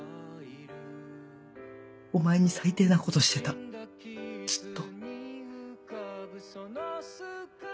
お前に最低なことしてたずっと。